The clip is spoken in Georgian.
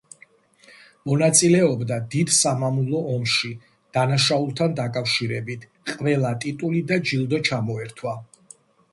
მონაწილეობდა დიდ სამამულო ომში, დანაშაულთან დაკავშირებით, ყველა ტიტული და ჯილდო ჩამოერთვა.